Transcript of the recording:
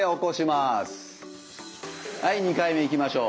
はい２回目いきましょう。